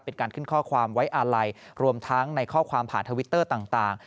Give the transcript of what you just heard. เป็นการขึ้นข้อความไว้อาลัยรวมทั้งในข้อความผ่านทวิตเตอร์ต่าง